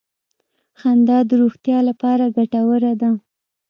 • خندا د روغتیا لپاره ګټوره ده.